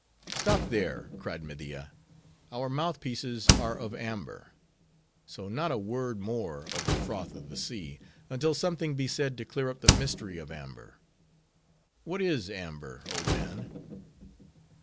"Stop there!" cried Media; "our mouth pieces are of amber; so, not a word more of the Froth of the Sea, until something be said to clear up the mystery of amber. What is amber, old man?"